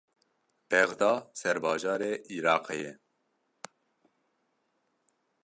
Bexda serbajarê Iraqê ye.